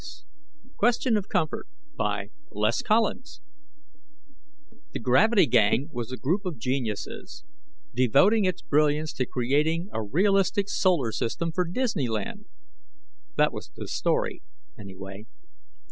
net QUESTION OF COMFORT By LES COLLINS _The Gravity Gang was a group of geniuses devoting its brilliance to creating a realistic Solar System for Disneyland. That was the story, anyway.